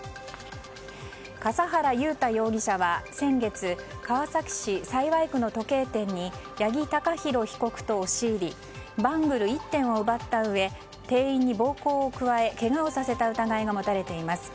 笠原雄大容疑者は先月川崎市幸区の時計店に八木貴寛被告と押し入りバングル１点を奪ったうえ店員に暴行を加えけがをさせた疑いが持たれています。